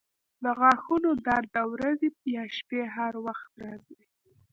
د غاښونو درد د ورځې یا شپې هر وخت راځي.